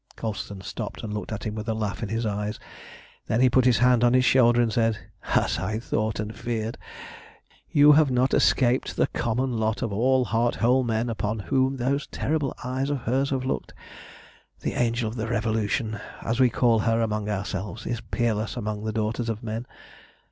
Colston stopped and looked at him with a laugh in his eyes. Then he put his hand on his shoulder and said "As I thought, and feared! You have not escaped the common lot of all heart whole men upon whom those terrible eyes of hers have looked. The Angel of the Revolution, as we call her among ourselves, is peerless among the daughters of men.